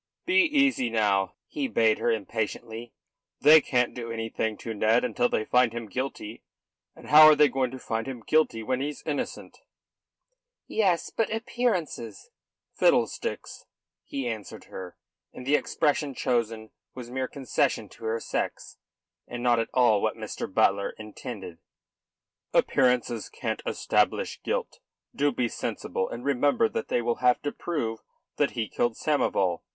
"Be easy now," he bade her impatiently. "They can't do anything to Ned until they find him guilty; and how are they going to find him guilty when he's innocent?" "Yes; but the appearances!" "Fiddlesticks!" he answered her and the expression chosen was a mere concession to her sex, and not at all what Mr. Butler intended. "Appearances can't establish guilt. Do be sensible, and remember that they will have to prove that he killed Samoval.